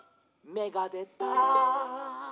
「めがでた！」